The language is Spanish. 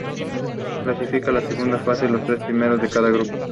A lo largo del torneo marcó un gol en cuatro partidos.